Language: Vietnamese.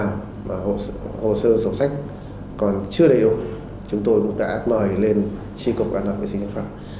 và hồ sơ sổ sách còn chưa đều chúng tôi cũng đã mời lên tri cục an toàn vệ sinh thực phẩm